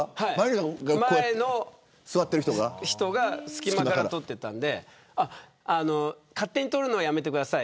前の人が隙間から撮っていたんで勝手に撮るのはやめてください。